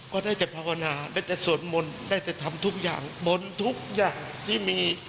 ก็ได้แต่ภาวนาได้แต่สวดมนต์ได้แต่ทำทุกอย่างบนทุกอย่างที่มี